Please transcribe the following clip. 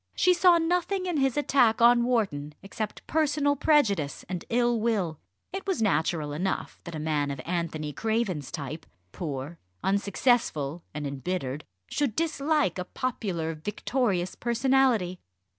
She saw nothing in his attack on Wharton, except personal prejudice and ill will. It was natural enough, that a man of Anthony Craven's type poor, unsuccessful, and embittered should dislike a popular victorious personality.